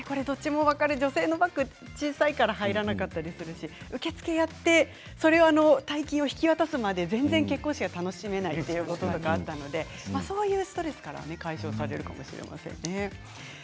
女性の小さいから入らなかったりするし受付をやって大金を引き渡すまで全然結婚式が楽しめないということがあったのでそういうストレスが解消されるかもしれませんね。